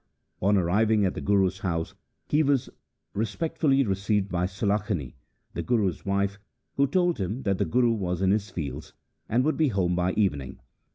On arriving at the Guru's house he was respectfully received by Sulakhani, the Guru's wife, who told him that the Guru was in his fields, and would be home by evening.